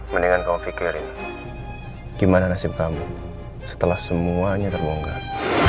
mendingan kamu pikirin gimana nasib kamu setelah semuanya terbongkar